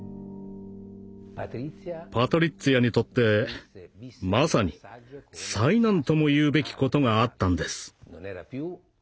パトリッツィアにとってまさに災難ともいうべきことがあったんです。